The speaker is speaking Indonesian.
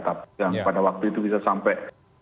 tapi yang pada waktu itu bisa sampai